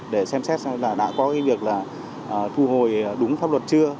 để xem xét là đã có việc thu hồi đúng pháp luật chưa